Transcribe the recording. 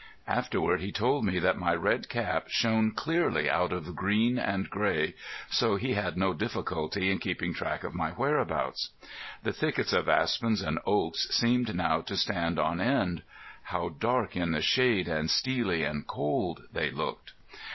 Afterward he told me that my red cap shone clearly out of green and gray, so he had no difficulty in keeping track of my whereabouts. The thickets of aspens and oaks seemed now to stand on end. How dark in the shade and steely and cold they looked!